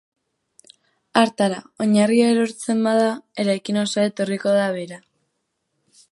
Hartara, oinarria erortzen bada, eraikin osoa etorriko da behera.